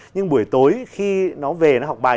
nhưng buổi tối khi nó về nó học bài